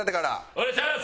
お願いします！